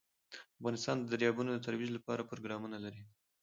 افغانستان د دریابونه د ترویج لپاره پروګرامونه لري.